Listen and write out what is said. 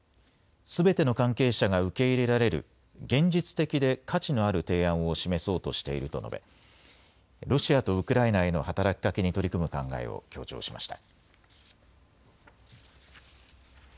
すべての関係者が受け入れられる現実的で価値のある提案を示そうとしていると述べロシアとウクライナへの働きかけに取り組む考えを強調しました。